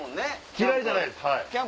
嫌いじゃないです。